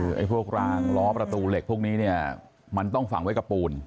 คือไอ้พวกรางล้อประตูเหล็กพวกนี้เนี่ยมันต้องฝังไว้กับปูน